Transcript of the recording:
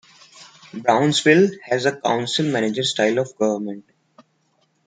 Brownsville has a council-manager style of government.